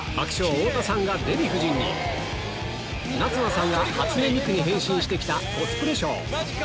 太田さんがデヴィ夫人に夏菜さんが初音ミクに変身して来た「コスプレショー」